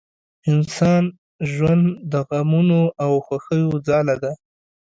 انسان ژوند د غمونو او خوښیو ځاله ده